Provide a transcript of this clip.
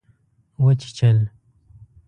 وچیچل